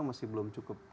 masih belum cukup